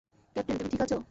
Captain, তুমি ঠিক আছো?